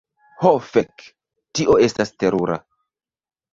Ho fek. Tio estas terura.